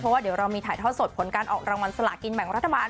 เพราะว่าเดี๋ยวเรามีถ่ายทอดสดผลการออกรางวัลสลากินแบ่งรัฐบาล